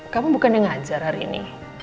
kamu bukannya ngajar hari ini